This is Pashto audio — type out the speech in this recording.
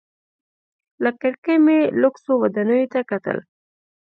له کړکۍ مې لوکسو ودانیو ته کتل.